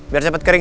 biar cepet kering